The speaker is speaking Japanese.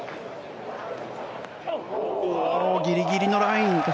ギリギリのライン。